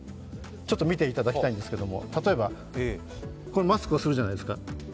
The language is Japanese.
ちょっと見ていただきたいんですども、例えばマスクをするじゃないですか。